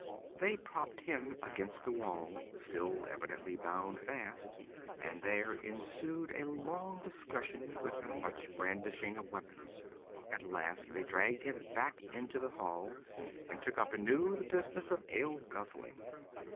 They propped him against the wall, still evidently bound fast, and there ensued a long discussion, with much brandishing of weapons. At last they dragged him back into the hall, and took up anew the business of ale guzzling.